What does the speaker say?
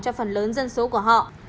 cho phần lớn dân số của họ